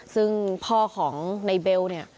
ซึ่งพ่อของนายเบล